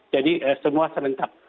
jadi semua sebentak